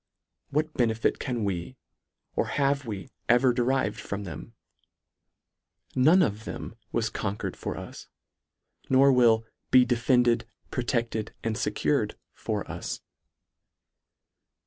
What benefit can we, or have we ever derived from them r None of them was con quered for us ; nor will " be defended, pro tected and fecured" for us.